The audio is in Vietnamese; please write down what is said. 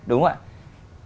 đúng không ạ